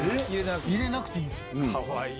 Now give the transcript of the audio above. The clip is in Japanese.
入れなくていいんす。